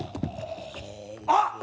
あっ！